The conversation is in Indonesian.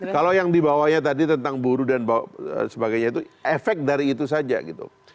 kalau yang dibawanya tadi tentang buruh dan sebagainya itu efek dari itu saja gitu